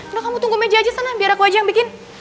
udah kamu tunggu meja aja sana biar aku aja yang bikin